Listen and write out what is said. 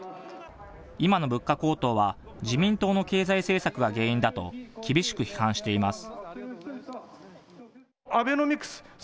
今の物価高騰は自民党の経済政策が原因だと、厳しく批判しています。